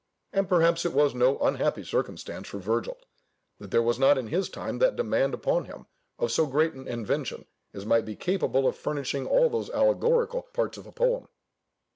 And perhaps it was no unhappy circumstance for Virgil, that there was not in his time that demand upon him of so great an invention as might be capable of furnishing all those allegorical parts of a poem.